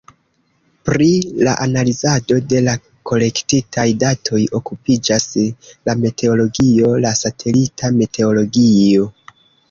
Pri la analizado de la kolektitaj datoj okupiĝas la meteologio, la satelita meteologio.